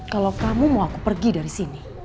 kalau kamu mau aku pergi dari sini